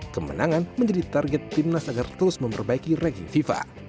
kemenangan menjadi target timnas agar terus memperbaiki ranking fifa